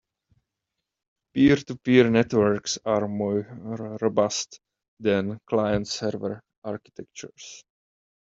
Peer-to-peer networks are more robust than client-server architectures.